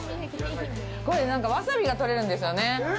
これ、ワサビが取れるんですよね。